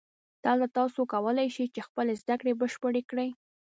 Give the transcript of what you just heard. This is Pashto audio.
دلته تاسو کولای شئ چې خپلې زده کړې بشپړې کړئ